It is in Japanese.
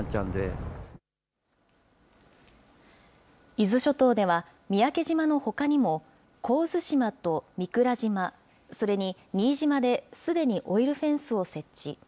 伊豆諸島では三宅島のほかにも、神津島と御蔵島、それに新島ですでにオイルフェンスを設置。